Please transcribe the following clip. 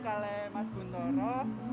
kalau mas guntoro